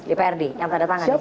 dprd yang terhadap tangan